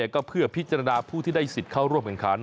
ก็เพื่อพิจารณาผู้ที่ได้สิทธิ์เข้าร่วมแข่งขัน